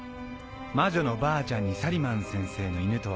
魔女のばあちゃんにサリマン先生の犬とは。